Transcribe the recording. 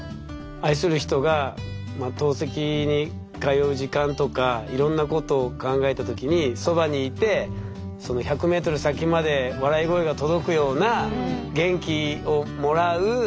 愛する人が透析に通う時間とかいろんなことを考えた時にそばにいて１００ｍ先まで笑い声が届くような元気をもらう人でいてほしい。